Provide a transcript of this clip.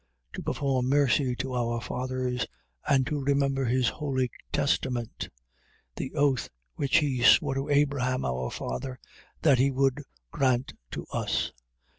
1:72. To perform mercy to our fathers and to remember his holy testament. 1:73. The oath, which he swore to Abraham our father, that he would grant to us.